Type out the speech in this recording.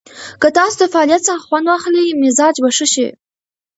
که تاسو د فعالیت څخه خوند واخلئ، مزاج به ښه شي.